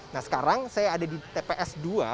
nah sekarang saya ada di tps dua